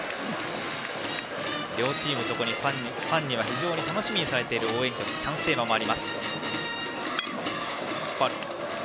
両チームのファンには非常に楽しみにされている応援歌チャンステーマがあります。